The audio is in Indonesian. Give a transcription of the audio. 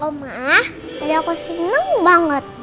oma tadi aku seneng banget